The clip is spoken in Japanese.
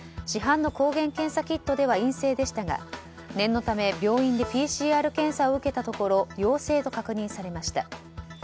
市販の抗原検査キットでは陰性でしたが念のため、病院でＰＣＲ検査を受けたところ陽性と確認されました。